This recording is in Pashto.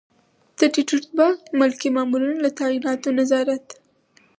د ټیټ رتبه ملکي مامورینو له تعیناتو نظارت.